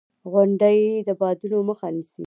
• غونډۍ د بادونو مخه نیسي.